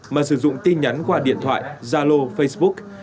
mà sử dụng tin nhắn qua điện thoại zalo facebook